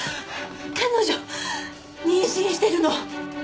彼女妊娠してるの！